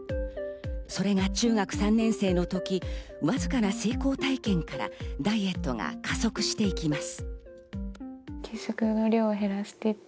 それが中学３年生の時、わずかな成功体験からダイエットが加速していきます。